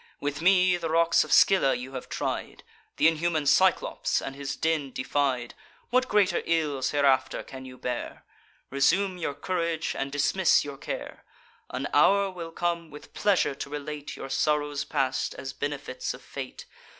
With me, the rocks of Scylla you have tried; Th' inhuman Cyclops and his den defied. What greater ills hereafter can you bear? Resume your courage and dismiss your care, An hour will come, with pleasure to relate Your sorrows past, as benefits of Fate.